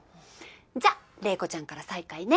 じゃあ怜子ちゃんから再開ね！